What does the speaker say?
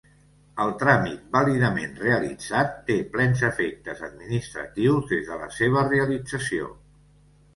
El tràmit vàlidament realitzat té plens efectes administratius des de la seva realització.